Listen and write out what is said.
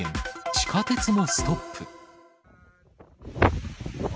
地下鉄もストップ。